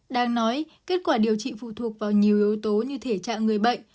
đang nói kết quả điều trị phụ thuộc vào nhiều yếu tố như thể trạng người bệnh